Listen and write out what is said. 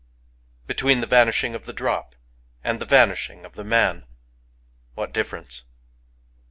Between the vanishing of the drop and the van ishing of the man, what difference